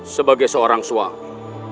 sebagai seorang suami